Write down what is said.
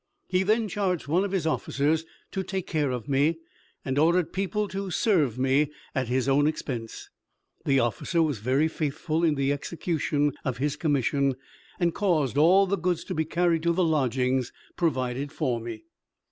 He then charged one of his officers to take care of me, and ordered people to serve me at his own expense. The officer was very faithful in the execution of his commission, and caused all the goods to be carried to the lodgings provided for me.